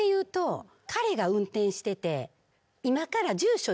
彼が運転してて今から。